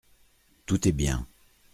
Tout est bien.